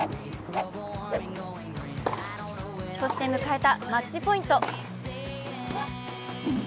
そして迎えたマッチポイント。